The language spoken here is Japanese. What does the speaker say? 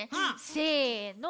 せの！